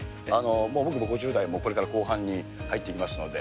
もう僕も５０代、これから後半に入っていきますので。